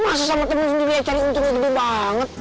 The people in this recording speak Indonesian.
masa sama temen sendiri aja cari untungnya gitu banget